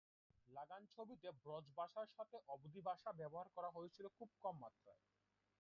লাগান ছবিতে ব্রজ ভাষার সঙ্গে অবধি ভাষা ব্যবহার করা হয়েছিল খুব কম মাত্রায়।